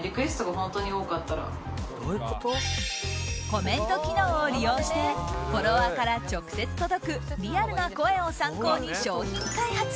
コメント機能を利用してフォロワーから直接届くリアルな声を参考に商品開発。